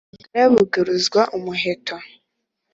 U Bugara bugaruzwa umuheto.